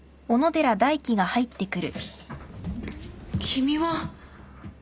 君は。